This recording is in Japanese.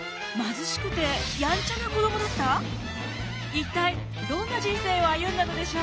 一体どんな人生を歩んだのでしょう。